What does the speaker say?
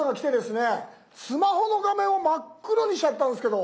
スマホの画面を真っ黒にしちゃったんすけど。